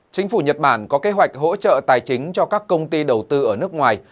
chính phủ nhật bản có kế hoạch hỗ trợ tài chính cho các công ty đầu tư ở nước ngoài